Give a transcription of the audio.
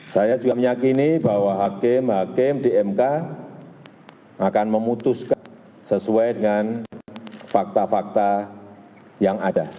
saya juga meyakini bahwa hakim hakim di mk akan memutuskan sesuai dengan fakta fakta yang ada